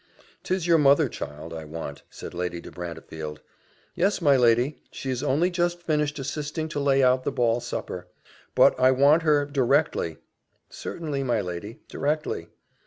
"'Tis your mother, child, I want," said Lady de Brantefield. "Yes, my lady, she is only just finished assisting to lay out the ball supper." "But I want her directly." "Certainly, my lady, directly."